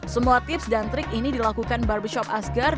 semua tips dan trik ini dilakukan barbershop asgar